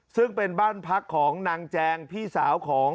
ซึ่งเป็นบ้านพักของนางแจงพี่สาวของ